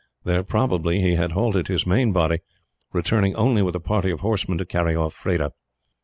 There probably he had halted his main body, returning only with a party of horsemen to carry off Freda.